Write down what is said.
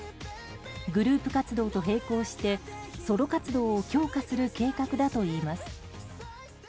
グループ活動と平行してソロ活動を強化する計画だといいます。